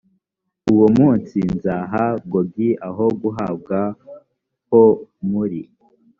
uwo munsi nzaha gogi aho guhambwa ho muri